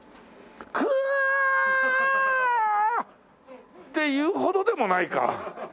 クワーッ！っていうほどでもないか。